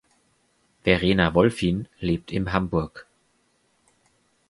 Verena Wolfien lebt im Hamburg.